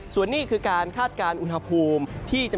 ส่วนนี้คือการคาดการณ์อุณหภูมิ